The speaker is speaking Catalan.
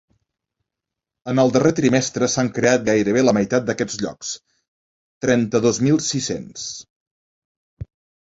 En el darrer trimestre s’han creat gairebé la meitat d’aquests llocs: trenta-dos mil sis-cents.